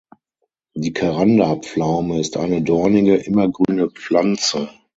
Die Karanda-Pflaume ist eine dornige immergrüne Pflanze.